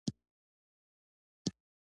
ته کوم شیان په بازار کې اخلي؟